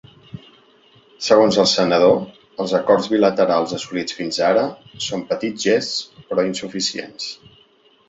Segons el senador, els acords bilaterals assolits fins ara són ‘petits gests’ però insuficients.